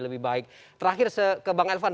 lebih baik terakhir ke bang elvan